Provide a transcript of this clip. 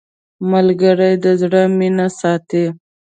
ملګری د زړه مینه ساتي